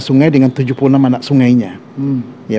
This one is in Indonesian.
tiga belas sungai dengan tujuh puluh enam anak sungainya